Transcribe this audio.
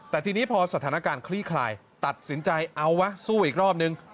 แต่ทีนี้พอสถานการณ์คลี่คลายตัดสินใจเอาวะสู้อีกรอบนึง